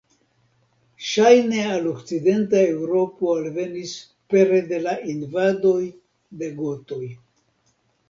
Ŝajne al okcidenta Eŭropo alvenis pere de la invadoj de gotoj.